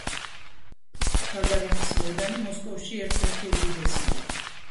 გაგარინის მოედანი მოსკოვში ერთ-ერთი უდიდესია.